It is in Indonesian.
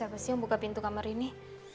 tapi aku tidak tahu apa yang akan terjadi